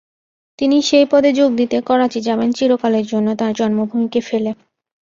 তিনি সেই পদে যোগ দিতে করাচি যাবেন চিরকালের জন্য তাঁর জন্মভূমিকে ফেলে।